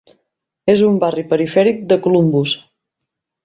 És un barri perifèric de Columbus.